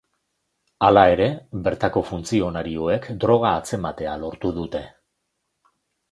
Hala ere, bertako funtzionarioek droga atzematea lortu dute.